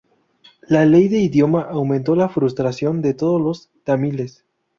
La ley de idioma aumentó la frustración de todos los tamiles.